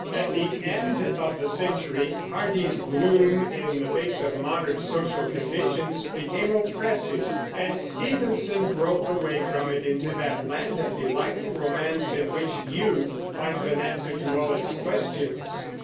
At the end of the century Hardy's gloom in the face of modern social conditions became oppressive, and Stevenson broke away from it into that land of delightful romance in which youth finds an answer to all its questions.